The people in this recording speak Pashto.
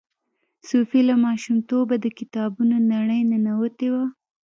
صوفي له ماشومتوبه د کتابونو نړۍ ننوتې وه.